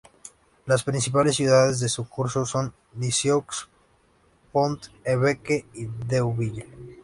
Las principales ciudades de su curso son Lisieux, Pont-l'Évêque y Deauville.